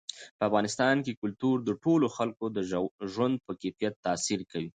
په افغانستان کې کلتور د ټولو خلکو د ژوند په کیفیت تاثیر کوي.